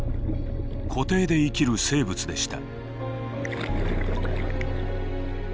湖底で生きる生物でした。